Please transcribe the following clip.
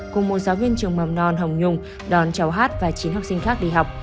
cùng một giáo viên trường mầm non hồng nhung đón cháu hát và chín học sinh khác đi học